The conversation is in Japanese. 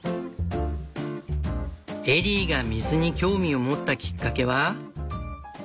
エリーが水に興味を持ったきっかけは。